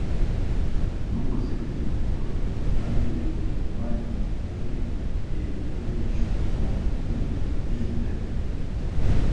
De nombreux érudits comme Amedeo Maiuri et Friedrich von Duhnle visitèrent.